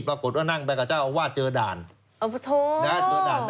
ปรากฏว่านั่งไปกับเจ้าอาวาสเจอด่านเจอด่าน